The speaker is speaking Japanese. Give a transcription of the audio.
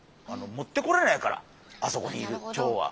持ってこれないからあそこにいるチョウは。